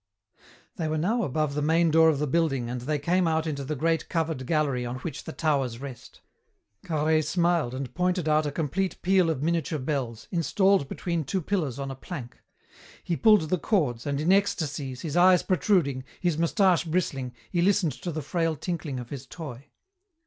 They were now above the main door of the building and they came out into the great covered gallery on which the towers rest. Carhaix smiled and pointed out a complete peal of miniature bells, installed between two pillars on a plank. He pulled the cords, and, in ecstasies, his eyes protruding, his moustache bristling, he listened to the frail tinkling of his toy.